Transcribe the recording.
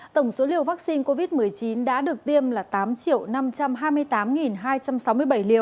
tổng số liều vaccine covid một mươi chín đã được tiêm là tám năm trăm hai mươi tám hai trăm sáu mươi bảy liều